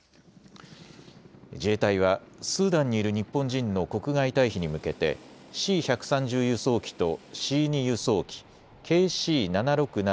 自衛隊はスーダンにいる日本人の国外退避に向けてＣ１３０輸送機とＣ２輸送機、ＫＣ７６７